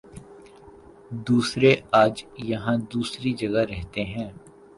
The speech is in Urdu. دوسرے آج یہاں دوسری جگہ رہتے ہیں